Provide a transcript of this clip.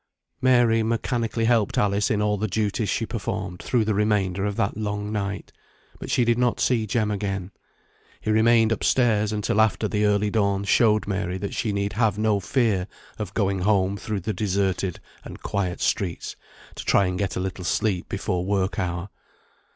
Mary mechanically helped Alice in all the duties she performed through the remainder of that long night, but she did not see Jem again. He remained up stairs until after the early dawn showed Mary that she need have no fear of going home through the deserted and quiet streets, to try and get a little sleep before work hour.